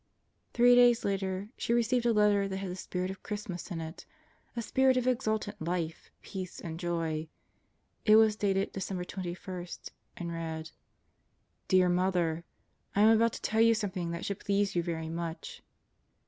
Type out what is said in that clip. Three days later she received a letter that had the spirit of Christmas in it a spirit of exultant life, peace, and joy. It was dated December 21, and read: Dear Mother: I am about to tell you something that should please you very much.